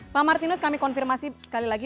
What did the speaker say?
pak martinus kami konfirmasi sekali lagi